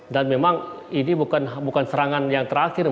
dan memang ini bukan serangan yang terakhir